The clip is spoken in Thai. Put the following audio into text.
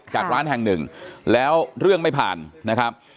จากร้านแห่งหนึ่งแล้วเรื่องไม่ผ่านนะครับ